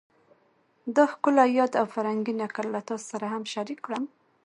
دا ښکلی یاد او فرهنګي نکل له تاسو سره هم شریک کړم